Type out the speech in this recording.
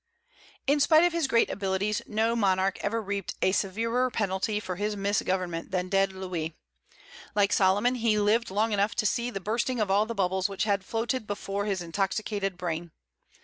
In spite of his great abilities, no monarch ever reaped a severer penalty for his misgovernment than did Louis. Like Solomon, he lived long enough to see the bursting of all the bubbles which had floated before his intoxicated brain.